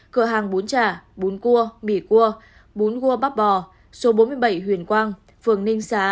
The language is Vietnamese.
một mươi bốn cơ hàng bún chả bún cua mì cua bún cua bắp bò số bốn mươi bảy huyền quang phường ninh xá